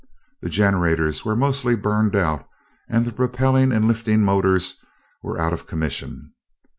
The generators were mostly burned out and the propelling and lifting motors were out of commission.